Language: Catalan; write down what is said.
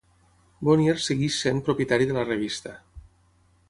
Bonnier segueix sent propietari de la revista.